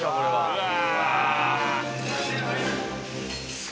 うわ！